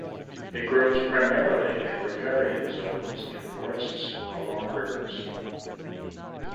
It grows primarily in riparian zones in forests along rivers.